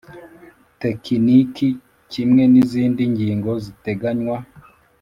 Tekiniki kimwe n izindi ngingo ziteganywa